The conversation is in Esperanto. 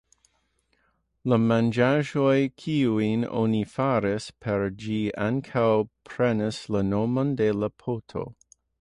La manĝaĵoj kiujn oni faras per ĝi ankaŭ prenas la nomon de la poto.